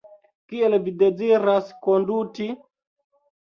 Kiel vi deziras konduti?